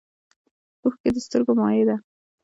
اوښکې د سترګو مایع ده